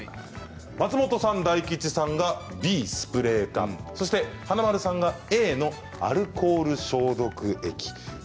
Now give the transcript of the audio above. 松本さんと大吉さんがＢスプレー缶華丸さんがＡ・アルコール消毒液。